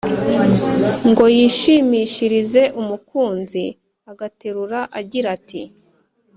ngo yishimishirize umukunzi. agaterura agira ati: